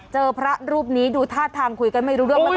พระรูปนี้ดูท่าทางคุยกันไม่รู้เรื่องนะคะ